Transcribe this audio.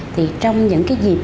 thì trong những cái dịp